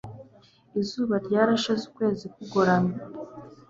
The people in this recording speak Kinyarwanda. Izuba ryarashize ukwezi kugoramye